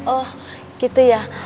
oh gitu ya